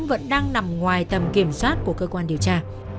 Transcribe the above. vẫn đang nằm ngoài tầm kiểm soát của cơ quan điều tra